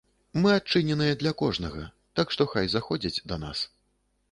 Мы адчыненыя для кожнага, так што хай заходзяць да нас.